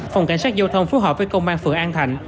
phòng cảnh sát giao thông phối hợp với công an phường an thạnh